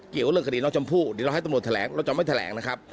เกี่ยวกับเรื่องคดีน้องชมพู่เดี๋ยวเราให้ตำรวจแถลงเราจะไม่แถลงนะครับ